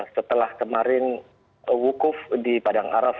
setelah kemarin wukuf di padang araf